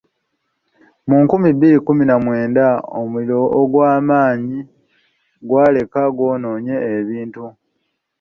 Mu nkumi bbiri mu kkumi na mwenda omuliro ogwali ogwamaanyi gwaleka gwonoonye ebintu.